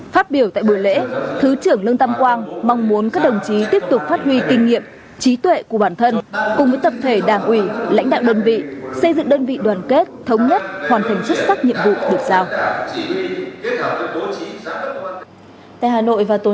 phát biểu tại buổi lễ thứ trưởng lương tâm quang mong muốn các đồng chí tiếp tục phát huy kinh nghiệm trí tuệ của bản thân cùng với tập thể đảng ủy lãnh đạo đơn vị xây dựng đơn vị đoàn kết thống nhất hoàn thành xuất sắc nhiệm vụ được giao